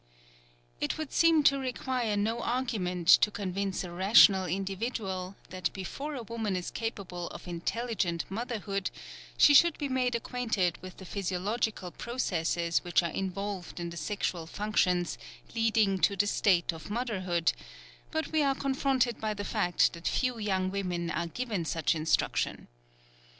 It would seem to require no argument to convince a rational individual that before a woman is capable of intelligent motherhood she should be made acquainted with the physiological processes which are involved in the sexual functions leading to the state of motherhood; but we are confronted by the fact that few young women are given such instruction.